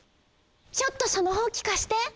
ちょっとそのほうきかして。